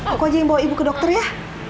aku aja yang bawa ibu ke dokter ya